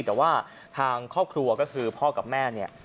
แต่ว่าทางครอบครัวก็คือพ่อกับแม่เนี่ย